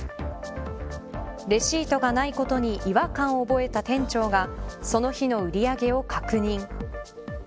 レシートがないことに違和感を覚えた店長がその日の売り上げを確認。